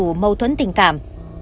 vụ mâu thuẫn tình cảm